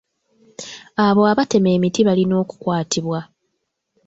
Abo abatema emiti balina okukwatibwa.